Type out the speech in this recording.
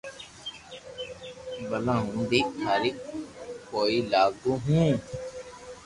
بلا ھون بي ٿاري ڪوئي لاگو ھون